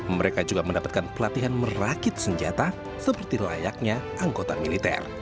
mereka juga mendapatkan pelatihan merakit senjata seperti layaknya anggota militer